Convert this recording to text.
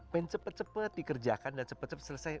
pengen cepet cepet dikerjakan dan cepet cepet selesai